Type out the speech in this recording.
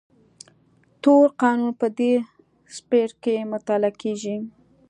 تور قانون په دې څپرکي کې مطالعه کېږي.